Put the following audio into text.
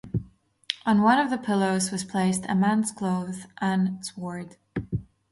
On one of the pillows was placed a man's clothes and sword.